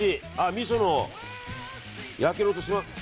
みその焼ける音がします。